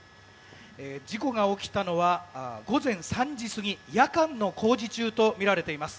事故が起きたのは午前３時過ぎ夜間の工事中とみられています。